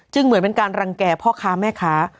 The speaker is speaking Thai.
เหมือนเป็นการรังแก่พ่อค้าแม่ค้า